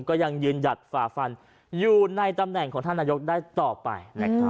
ก็ยังยืนหยัดฝ่าฟันอยู่ในตำแหน่งของท่านนายกได้ต่อไปนะครับ